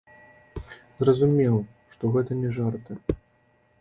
Зразумеў, што гэта не жарты.